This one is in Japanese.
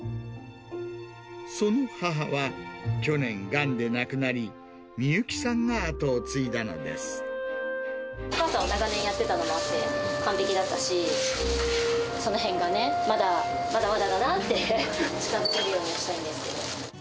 その母は、去年、がんで亡くなり、お母さんは長年やってたのもあって完璧だったし、そのへんがね、まだ、まだまだだなぁって、近づけるようにはしたいんですけど。